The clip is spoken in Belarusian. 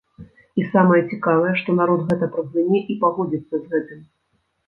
І самае цікавае, што народ гэта праглыне і пагодзіцца з гэтым.